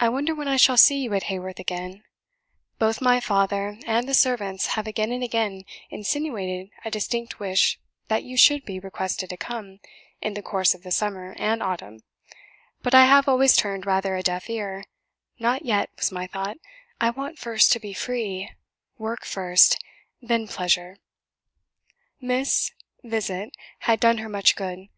I wonder when I shall see you at Haworth again; both my father and the servants have again and again insinuated a distinct wish that you should be requested to come in the course of the summer and autumn, but I have always turned rather a deaf ear; 'not yet,' was my thought, 'I want first to be free;' work first, then pleasure." Miss 's visit had done her much good.